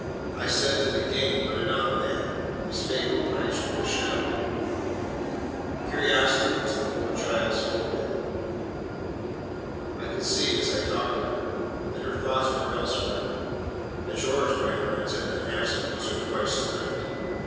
I said to the king But enough of that, I spake of Blanche de Bechamel. "Curiosity was the poor child's foible. I could see, as I talked to her, that her thoughts were elsewhere (as yours, my friend, have been absent once or twice to night).